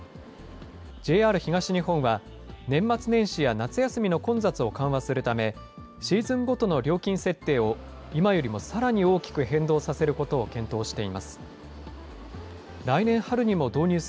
ＪＲ東日本は、年末年始や夏休みの混雑を緩和するため、シーズンごとの料金設定を今よりもさらに大きく変動させることを検討しています。